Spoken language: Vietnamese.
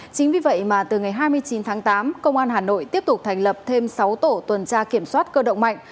chính vì vậy mà từ ngày hai mươi chín tháng tám công an hà nội tiếp tục thành lập thêm sáu tổ tuần tra kiểm soát cơ động mạnh